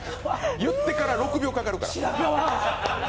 言ってから６秒かかるから。